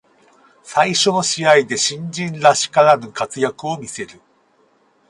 最初の試合で新人らしからぬ活躍を見せる